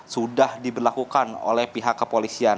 sudah diberlakukan oleh pihak kepolisian